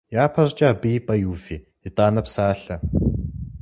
Япэщӏыкӏэ абы и пӏэ иуви итӏанэ псалъэ.